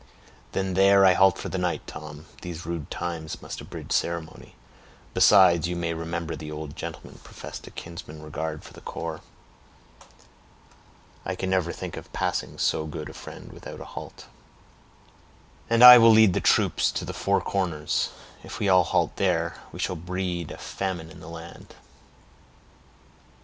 "Then there I halt for the night, Tom. These rude times must abridge ceremony; besides, you may remember the old gentleman professed a kinsman's regard for the corps. I can never think of passing so good a friend without a halt." "And I will lead the troop to the Four Corners; if we all halt there, we shall breed a famine in the land."